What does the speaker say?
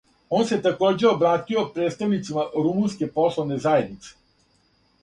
Он се такође обратио представницима румунске пословне заједнице.